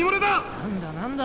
何だ何だ。